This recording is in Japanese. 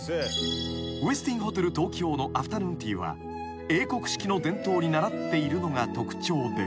［ウェスティンホテル東京のアフタヌーンティーは英国式の伝統に倣っているのが特徴で］